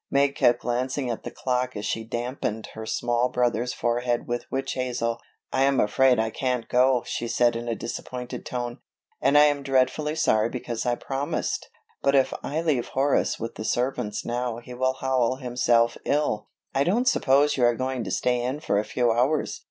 Meg kept glancing at the clock as she dampened her small brother's forehead with witch hazel. "I am afraid I can't go," she said in a disappointed tone, "and I am dreadfully sorry because I promised. But if I leave Horace with the servants now he will howl himself ill. I don't suppose you were going to stay in for a few hours.